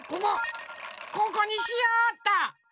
ここにしようっと。